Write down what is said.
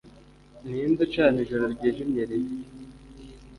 ninde ucana ijoro ryijimye, ribi.